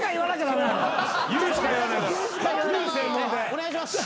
お願いします。